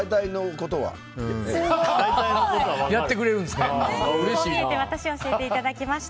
こう見えてワタシ教えていただきました。